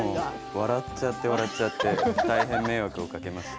笑っちゃって笑っちゃって大変、迷惑をかけました。